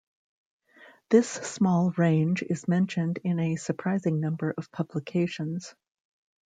This small range is mentioned in a surprising number of publications.